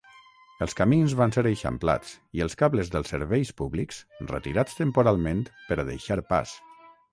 Els camins van ser eixamplats i els cables dels serveis públics retirats temporalment per a deixar pas.